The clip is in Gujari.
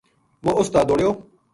وہ اس تا دوڑ آیو